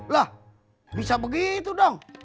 lah bisa begitu dong